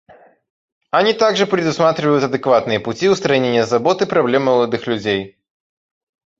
Они также предусматривают адекватные пути устранения забот и проблем молодых людей.